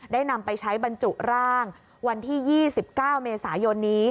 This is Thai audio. นำไปใช้บรรจุร่างวันที่๒๙เมษายนนี้